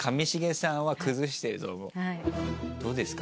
どうですか？